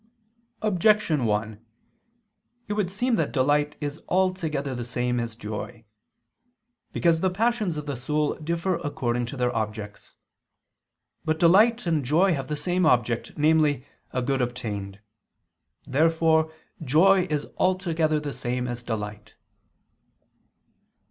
Objection 1: It would seem that delight is altogether the same as joy. Because the passions of the soul differ according to their objects. But delight and joy have the same object, namely, a good obtained. Therefore joy is altogether the same as delight.